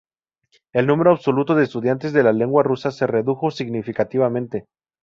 El número absoluto de estudiantes de la lengua rusa se redujo significativamente.